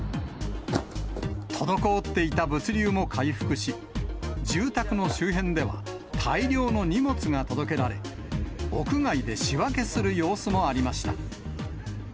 滞っていた物流も回復し、住宅の周辺では、大量の荷物が届けられ、屋外で仕分けする様子もありました。